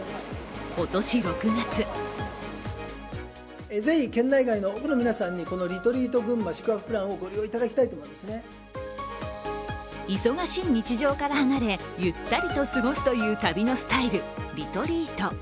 今年６月忙しい日常から離れゆったりと過ごすという旅のスタイル、リトリート。